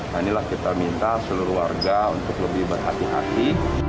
nah inilah kita minta seluruh warga untuk lebih berhati hati